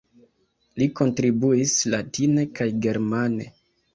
Li kontribuis latine kaj germane.